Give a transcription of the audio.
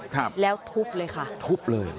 ครับแล้วทุบเลยค่ะทุบเลย